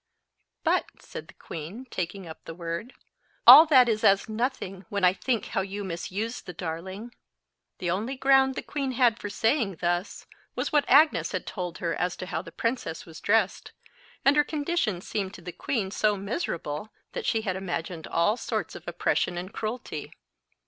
"But," said the queen, taking up the word, "all that is as nothing, when I think how you misused the darling." The only ground the queen had for saying thus, was what Agnes had told her as to how the princess was dressed; and her condition seemed to the queen so miserable, that she had imagined all sorts of oppression and cruelty.